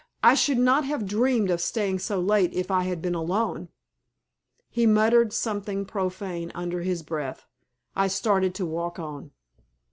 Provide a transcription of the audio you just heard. I should not have dreamed of staying so late if I had been alone." He muttered something profane under his breath. I started to walk on.